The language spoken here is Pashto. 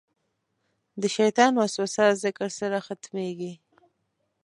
د شیطان وسوسه د ذکر سره ختمېږي.